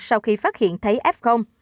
sau khi phát hiện thấy f